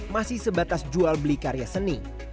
masih sebatas jual beli karya seni